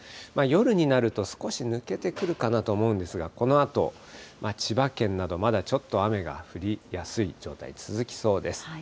夜になると、少し抜けてくるかなと思うんですが、このあと千葉県など、まだちょっと雨が降りやすい状態、続きそうです。